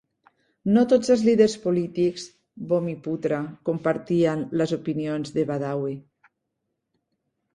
No tots els líders polítics "bumiputra" compartien les opinions de Badawi.